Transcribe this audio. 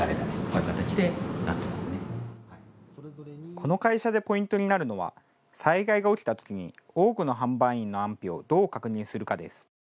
この会社でポイントになるのは災害が起きたときに多くの販売員の安否をどう確認するかです。